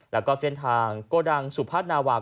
แล้วก็เส้นทางโกดังสุภาษณาวาก